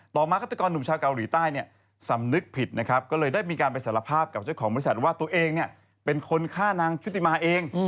มาฆาตกรหนุ่มชาวเกาหลีใต้เนี่ยสำนึกผิดนะครับก็เลยได้มีการไปสารภาพกับเจ้าของบริษัทว่าตัวเองเนี่ยเป็นคนฆ่านางชุติมาเอง